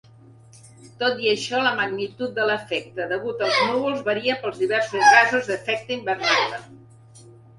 Tot i això, la magnitud de l"efecte degut als núvols varia pels diversos gasos d"efecte hivernacle.